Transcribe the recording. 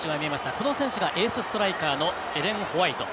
この選手がエースストライカーのエレン・ホワイト。